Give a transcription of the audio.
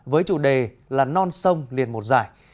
với chủ đề là non sông liền một giải